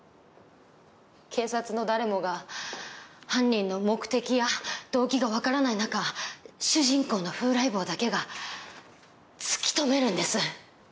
警察の誰もが犯人の目的や動機が分からない中主人公の風来坊だけが突き止めるんです。